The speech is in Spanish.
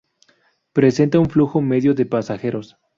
Presenta un flujo medio de pasajeros.